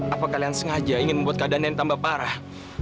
apa kalian sengaja ingin membuat keadaan yang tambah parah